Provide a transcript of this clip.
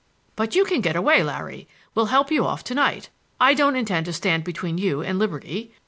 "But you can get away, Larry. We'll help you off to night. I don't intend to stand between you and liberty.